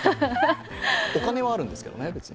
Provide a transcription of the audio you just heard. お金はあるんですけどね、別に。